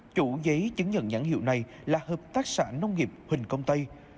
chủ giấy chứng nhận nhãn hiệu này là hợp tác xã nông nghiệp huỳnh công tây